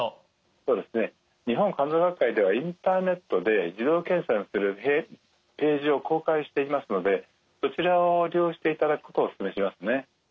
そうですね日本肝臓学会ではインターネットで自動計算するページを公開していますのでそちらを利用していただくことをお勧めしますね。